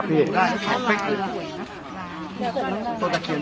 ไปที่ใกล้หน่อย